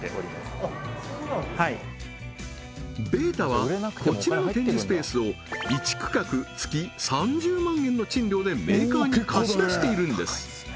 ｂ８ｔａはこちらの展示スペースを１区画月３０万円の賃料でメーカーに貸し出しているんです